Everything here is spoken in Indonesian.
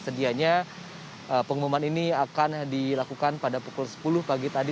sedianya pengumuman ini akan dilakukan pada pukul sepuluh pagi tadi